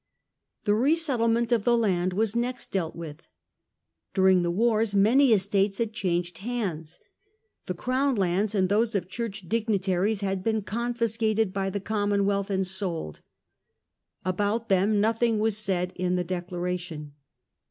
The re settlement of the land was next dealt with. During the wars many estates had changed hands. The Th j Crown lands and those of Church dignitaries e ' had been confiscated by the Commonwealth and sold. About them nothing was said in the Declara tion.